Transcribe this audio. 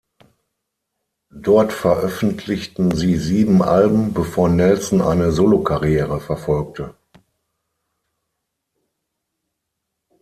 Dort veröffentlichten sie sieben Alben, bevor Nelson eine Solokarriere verfolgte.